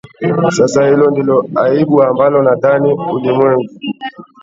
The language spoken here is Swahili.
sasa hilo ndilo la aibu ambalo nadhani ulimwengu